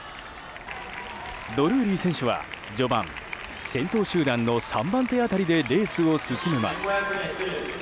ドルーリー選手は序盤先頭集団の３番手辺りでレースを進みます。